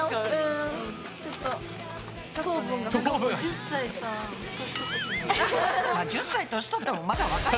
１０歳年取ってもまだ若いけどね。